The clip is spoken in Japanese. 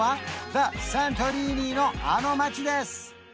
ザサントリーニのあの街です